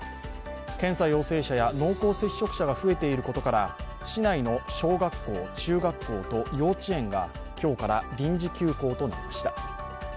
検査陽性者や濃厚接触者が増えていることから市内の小学校、中学校と幼稚園が今日から臨時休校となりました。